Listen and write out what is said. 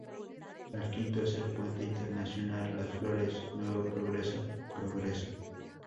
El quinto es el Puente Internacional "Las Flores" Nuevo Progreso-Progreso.